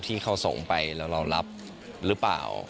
ที่เขาส่งไปแล้วเรารับหรือเปล่า